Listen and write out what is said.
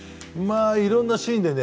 いろんなシーンでね